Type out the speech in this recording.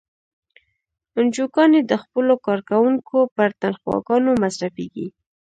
انجوګانې د خپلو کارکوونکو پر تنخواګانو مصرفیږي.